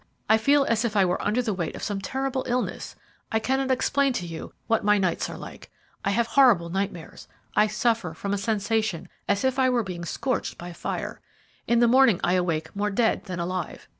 I feel as if I were under the weight of some terrible illness. I cannot explain to you what my nights are. I have horrible nightmares. I suffer from a sensation as if I were being scorched by fire. In the morning I awake more dead than alive.